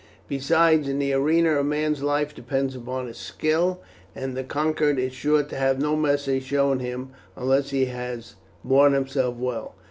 Besides, in the arena a man's life depends upon his skill, and the conquered is sure to have no mercy shown him unless he has borne himself well.